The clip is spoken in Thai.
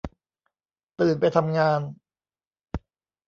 ตื่นไปทำงาน